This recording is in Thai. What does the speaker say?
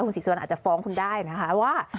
ศรีสุวรรณอาจจะฟ้องคุณได้นะคะว่า